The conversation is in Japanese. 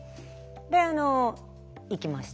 であの行きました。